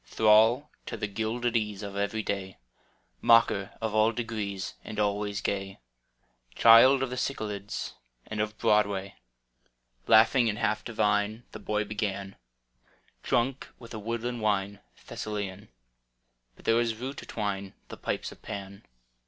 Thrall to the gilded ease Of every day. Mocker of all d^rees And always gay. Child of the Cyclades And of Broadway — [106| Laughing and half divine The boy began, Drunk with a woodland wine Thessalian: But there was rue to twine The pipes of Pan.